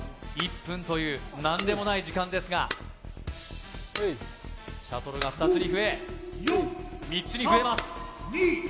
１分という何でもない時間ですがシャトルが２つに増え３つに増えます